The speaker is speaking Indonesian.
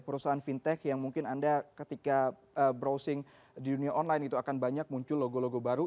perusahaan fintech yang mungkin anda ketika browsing di dunia online itu akan banyak muncul logo logo baru